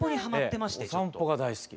お散歩が大好き。